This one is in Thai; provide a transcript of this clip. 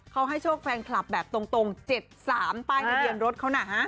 เขาให้โชคแฟนคลับแบบตรง๗๓ป้ายทะเบียนรถเขานะฮะ